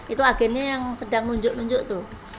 itu agennya yang sedang nunjuk nunjuk tuh